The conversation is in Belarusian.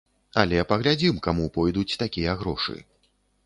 Але паглядзім, каму пойдуць такія грошы.